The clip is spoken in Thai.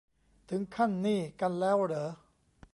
ถึงขั้นนี่กันแล้วเหรอ